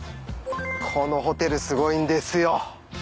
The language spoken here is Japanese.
このホテルすごいんですよ。